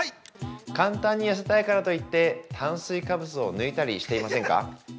簡単に痩せたいからといって、炭水化物を抜いたりしていませんか。